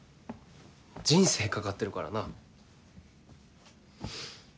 人生懸かってるからな。